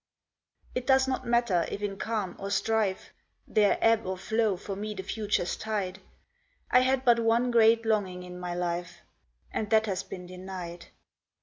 It does not matter if in calm or strife, There ebb or flow for me the future's tide. I had but one great longing in my life, And that has been denied.